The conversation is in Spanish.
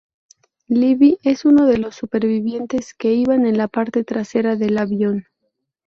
Libby es uno de los supervivientes que iban en la parte trasera del avión.